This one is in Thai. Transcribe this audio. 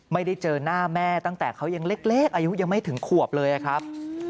ไม่ได้เจอหน้าแม่ตั้งแต่เขายังเล็กอายุยังไม่ถึงขวบเลยครับ